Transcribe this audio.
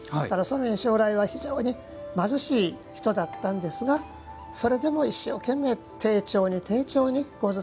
蘇民将来は非常に貧しい人だったんですがそれでも一生懸命丁重に丁重に牛頭